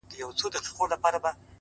چي مي بایللی و. وه هغه کس ته ودرېدم .